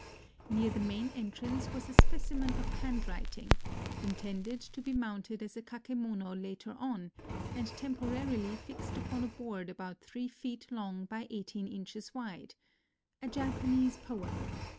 Near the main entrance was a specimen of handwriting, intended to be mounted as a kakemono later on, and tem porarily fixed upon a board about three feet long by eighteen inches wide, — ^a Japanese poem.